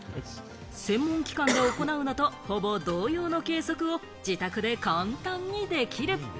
専門機関で行うのとほぼ同様の計測を自宅で簡単にできる。